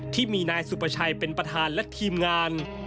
ที่มีนายสุประชัยเป็นประธานและทีมงาน